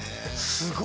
すごいね。